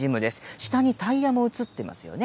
下にタイヤも映ってますよね。